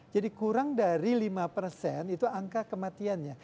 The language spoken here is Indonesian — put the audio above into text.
jadi kurang dari lima itu angka kematiannya